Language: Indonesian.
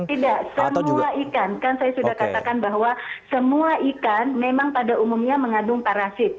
tidak semula ikan kan saya sudah katakan bahwa semua ikan memang pada umumnya mengandung parasit